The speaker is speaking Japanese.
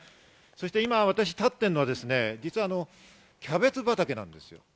今、私が立っているのは実はキャベツ畑なんです。